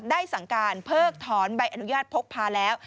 ได้สั่งการเพิกถอนใบอนุญาตพกพาแล้ว